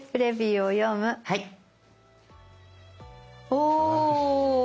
お！